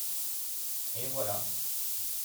et voilà.